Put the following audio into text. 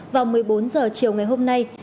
vào một mươi bốn h chiều ngày hôm nay